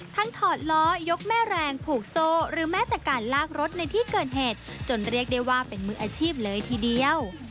ถอดล้อยกแม่แรงผูกโซ่หรือแม้แต่การลากรถในที่เกิดเหตุจนเรียกได้ว่าเป็นมืออาชีพเลยทีเดียว